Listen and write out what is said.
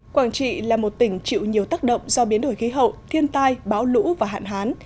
quảng trị là một tỉnh chịu nhiều tác động do biến đổi khí hậu thiên tai báo lũ và hạn hán